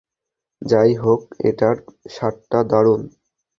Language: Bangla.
যাই হোক, এটার স্বাদটা দারুণ।